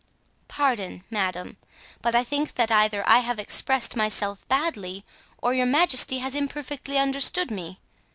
"Pardon, madame, but I think that either I have expressed myself badly or your majesty has imperfectly understood me.